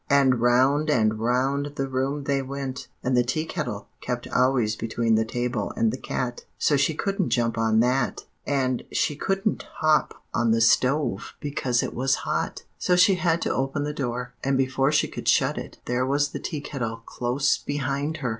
And round and round the room they went, and the Tea Kettle kept always between the table and the cat, so she couldn't jump on that; and she couldn't hop on the stove because it was hot; so she had to open the door. And before she could shut it, there was the Tea Kettle close behind her!"